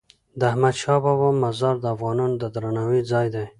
د احمدشاه بابا مزار د افغانانو د درناوي ځای دی.